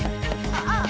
ああ。